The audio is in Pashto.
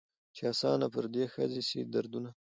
چي آسانه پر دې ښځي سي دردونه